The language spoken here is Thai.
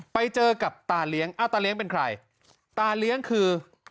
ไปเจอกับตาเลี้ยงอ้าวตาเลี้ยงเป็นใครตาเลี้ยงคือ